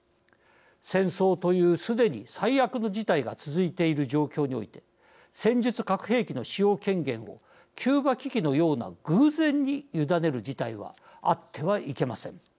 戦争というすでに最悪の事態が続いている状況において戦術核兵器の使用権限をキューバ危機のような偶然にゆだねる事態はあってはいけません。